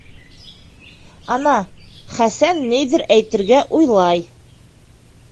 Ана, Хәсән ниҙер әйтергә уйлай.